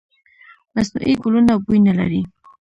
مصنوعي ګلونه بوی نه لري.